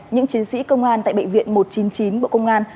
những chiến sĩ công an tại bệnh viện một trăm chín mươi chín bộ công an